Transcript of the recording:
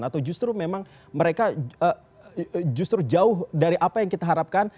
atau justru memang mereka justru jauh dari apa yang kita harapkan